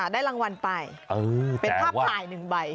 ได้รางวัลไปเป็นภาพถ่าย๑ใบ